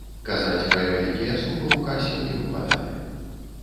Казаць пра вялікія сумы ў касе не выпадае.